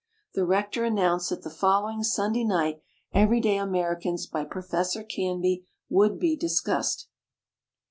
The rector announced that the follow ing Sunday night "Everyday Americans" by Professor Canby would be discussed.